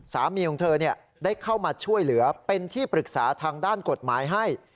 สามีของเธอได้เข้ามาช่วยเหลือเป็นที่ปรึกษาทางด้านกฎหมายให้